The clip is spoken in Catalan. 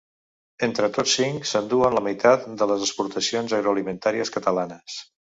Entre tots cinc s’enduen la meitat de les exportacions agroalimentàries catalanes.